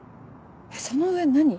その上何？